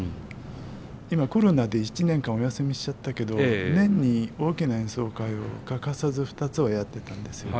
今コロナで１年間お休みしちゃったけど年に大きな演奏会を欠かさず２つはやってたんですよ。